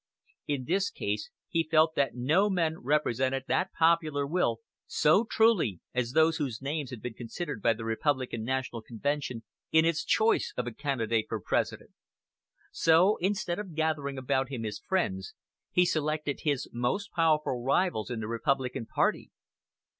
In this case he felt that no men represented that popular will so truly as those whose names had been considered by the Republican National Convention in its choice of a candidate for President. So, instead of gathering about him his friends, he selected his most powerful rivals in the Republican party.